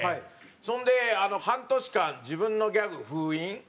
そんで半年間自分のギャグ封印。